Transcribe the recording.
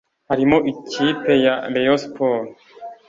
harimo ikipe ya Rayon Sports